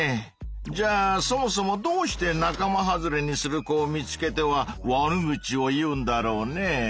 じゃあそもそもどうして仲間外れにする子を見つけては悪口を言うんだろうね？